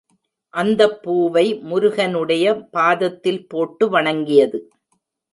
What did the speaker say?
அந்தப் பூவை முருகனுடைய பாதத்தில் போட்டு வணங்கியது.